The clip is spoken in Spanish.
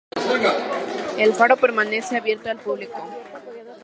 El faro permanece abierto al público.